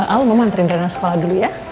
al mau mantriin rana sekolah dulu ya